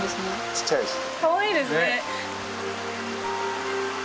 ちっちゃいです。